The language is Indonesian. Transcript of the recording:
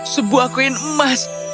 sebuah koin emas